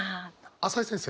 朝井先生。